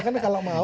karena kalau mau